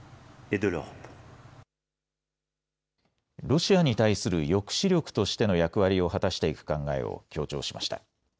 ロシアに対する抑止力としての役割を果たしていく考えを強調しました。